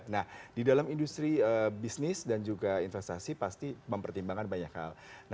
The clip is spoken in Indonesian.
nah di dalam industri bisnis dan juga investasi pasti mempertimbangkan banyak hal